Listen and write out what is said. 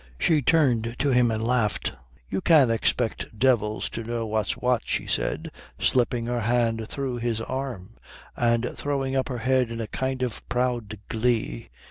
She turned to him and laughed. "You can't expect devils to know what's what," she said, slipping her hand through his arm and throwing up her head in a kind of proud glee.